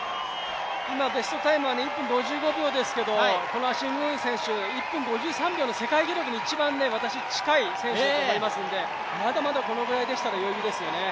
今、ベストタイムは１分５５秒ですけどこのアシング・ムー選手、１分５３秒の世界記録に一番近い選手だと思いますのでまだまだこのぐらいでしたら余裕ですよね。